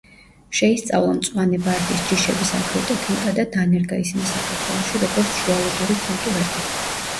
შეისწავლა მწვანე ბარდის ჯიშების აგროტექნიკა და დანერგა ისინი საქართველოში როგორც შუალედური კულტურები.